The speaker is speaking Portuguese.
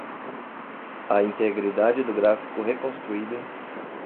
A integridade do gráfico reconstruído